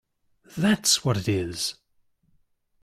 That’s what it is!